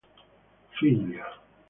Figlia.